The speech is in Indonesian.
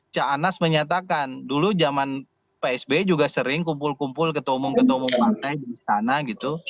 ca anas menyatakan dulu zaman psb juga sering kumpul kumpul ketua umum ketua umum partai di istana gitu